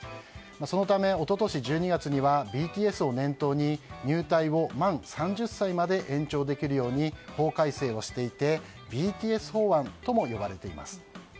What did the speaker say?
そのため、一昨年１２月にはＢＴＳを念頭に入隊後満３０歳まで延長できるように法改正をしていてＢＴＳ法案とも呼ばれています。